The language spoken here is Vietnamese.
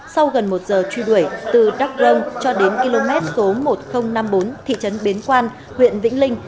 sau gần một giờ truy đuổi từ đắk rông cho đến km số một nghìn năm mươi bốn thị trấn bến quan huyện vĩnh linh